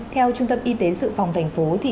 theo trung tâm y tế dự phòng thành phố